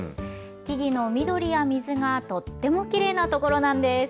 木々の緑や水がとってもきれいな所なんです。